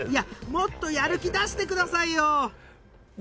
もっとやる気出してくださいよ！